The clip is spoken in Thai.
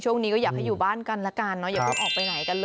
ช่วงนี้ก็อยากให้อยู่บ้านกันละกันเนาะ